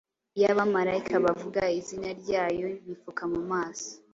Iyo abamarayika bavuga izina ryayo, bipfuka mu maso.